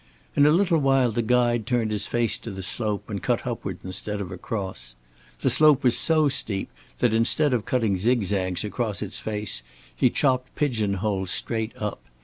In a little while the guide turned his face to the slope and cut upward instead of across. The slope was so steep that instead of cutting zigzags across its face, he chopped pigeon holes straight up.